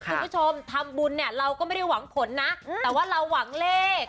คุณผู้ชมทำบุญเนี่ยเราก็ไม่ได้หวังผลนะแต่ว่าเราหวังเลข